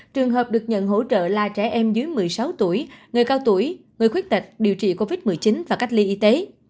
trường hợp được nhận hỗ trợ là trẻ em dưới một mươi sáu tuổi người cao tuổi người khuyết tật điều trị covid một mươi chín và cách ly y tế